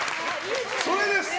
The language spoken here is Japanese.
それです！